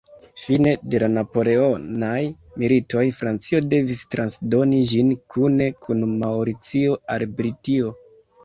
Fine de la Napoleonaj militoj Francio devis transdoni ĝin kune kun Maŭricio al Britio.